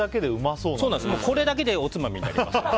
これだけでおつまみになります。